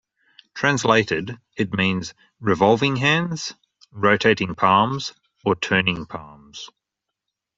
Translated, it means "revolving hands", "rotating palms", or "turning palms.